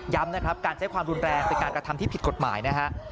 นะครับการใช้ความรุนแรงเป็นการกระทำที่ผิดกฎหมายนะฮะ